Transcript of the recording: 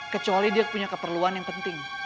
kecuali dia punya keperluan yang penting